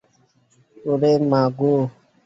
ওরে, মা গো।